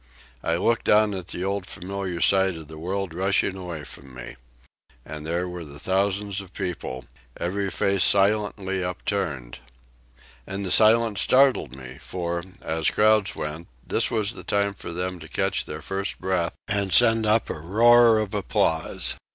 I looked down at the old familiar sight of the world rushing away from me. And there were the thousands of people, every face silently upturned. And the silence startled me, for, as crowds went, this was the time for them to catch their first breath and send up a roar of applause.